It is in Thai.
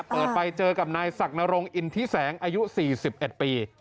ไปเจอกับนายศักดรงอินทิแสงอายุ๔๑ปี